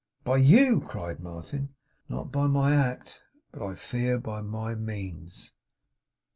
'By you?' cried Martin. 'Not by my act, but I fear by my means.